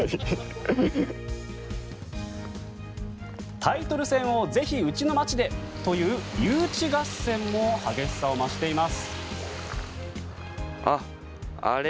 タイトル戦をぜひうちの町でという誘致合戦も激しさを増しています。